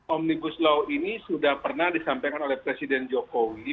omnibus law ini sudah pernah disampaikan oleh presiden jokowi